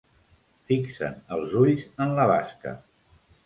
Fixen els ulls en la basca.